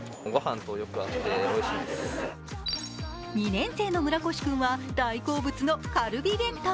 ２年生の村越君は大好物のカルビ弁当。